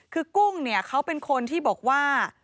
คือกุ้งเนี่ยเขาเป็นคนที่บอกว่า